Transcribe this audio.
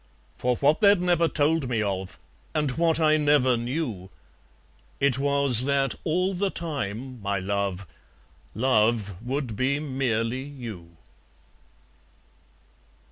For what they'd never told me of, And what I never knew; It was that all the time, my love, Love would be merely you.